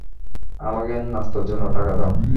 আমাকে নাস্তার জন্য টাকা দাও।